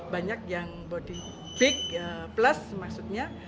banyak yang body big plus maksudnya